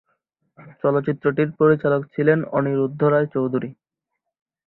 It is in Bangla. চলচ্চিত্রটির পরিচালক ছিলেন অনিরুদ্ধ রায় চৌধুরী।